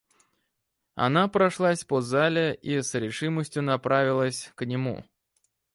Она прошлась по зале и с решимостью направилась к нему.